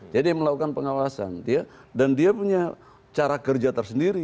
jadi melakukan pengawasan dan dia punya cara kerja tersendiri